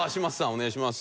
お願いします。